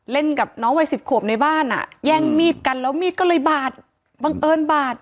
กับน้องวัยสิบขวบในบ้านอ่ะแย่งมีดกันแล้วมีดก็เลยบาดบังเอิญบาด